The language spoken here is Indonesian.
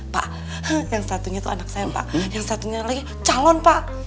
pak yang satunya itu anak saya pak yang satunya lagi calon pak